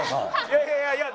いやいやいやいや。